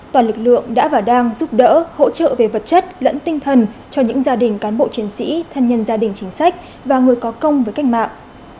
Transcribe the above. toàn lực lượng đã và đang giúp đỡ hỗ trợ về vật chất lẫn tinh thần cho những gia đình cán bộ chiến sĩ thân nhân gia đình chính sách và người có công với cách mạng